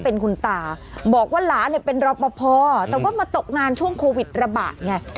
เป็นคุณตาบอกว่าหลานเนี่ยเป็นรอปภแต่ว่ามาตกงานช่วงโควิดระบาดไง